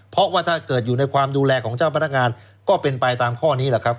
เพราะว่าถ้าเกิดอยู่ในความดูแลของเจ้าพนักงานก็เป็นไปตามข้อนี้แหละครับ